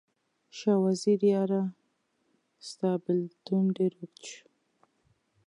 شاه وزیره یاره، ستا بیلتون ډیر اوږد شو